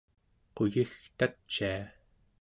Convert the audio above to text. quyigtacia